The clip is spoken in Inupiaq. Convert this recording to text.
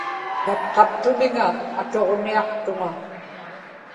tatqaptumiŋa atuġniaqtuŋa